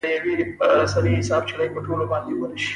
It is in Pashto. ځینې کسان د معنویاتو لپاره کمه تنخوا اخلي